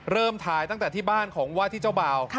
เริ่มถ่ายตั้งแต่ที่บ้านของว่าที่เจ้าบ่าว